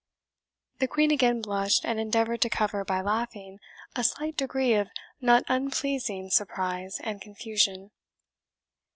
The Queen again blushed, and endeavoured to cover, by laughing, a slight degree of not unpleasing surprise and confusion.